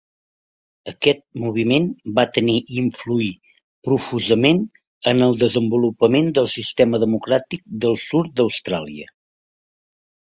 Aquest moviment va tenir influir profusament en el desenvolupament del sistema democràtic del sud d'Austràlia.